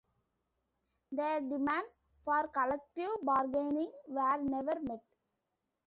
Their demands for collective bargaining were never met.